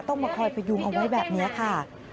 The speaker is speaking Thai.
ต้องมาคอยพยุงเอาไว้แบบนี้ค่ะ